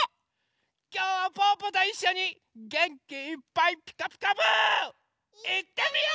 きょうはぽぅぽといっしょにげんきいっぱい「ピカピカブ！」いってみよ！